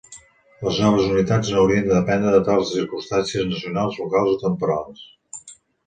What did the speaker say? Les noves unitats no haurien de dependre de tals circumstàncies nacionals, locals o temporals.